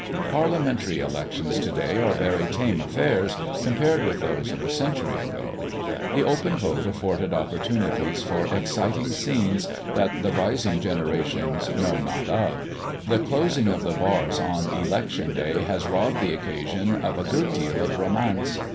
Parliamentary elections to day are very tame affairs compared with those of a century ago. The open vote afforded opportunities for exciting scenes that the rising generations know not of. The closing of the bars on election day has robbed the occasion of a good deal of romance.